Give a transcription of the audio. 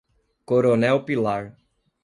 Coronel Pilar